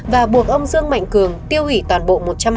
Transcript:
và buộc ông dương mạnh cường tiêu hủy toàn bộ